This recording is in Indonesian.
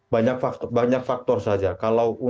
banyak faktor saja